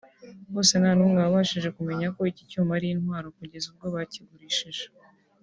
bose nta n’umwe wabashije kumenya ko iki cyuma ari intwaro kugeza ubwo bakigurishije